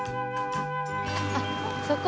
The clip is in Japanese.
あっそこ？